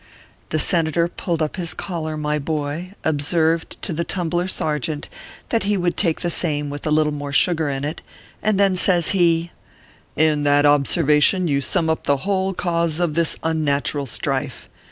The Senator pulled up his collar, my boy, observed to the tumbler sergeant that he would take the same with a little more sugar in it, and then says he : "In "that observation you sum up the whole cause of this unnatural strife.